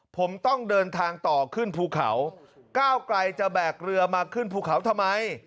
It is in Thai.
ผมต้องเดินทางต่อขึ้นภูเขาก้าวไกลจะแบกเรือมาขึ้นภูเขาทำไม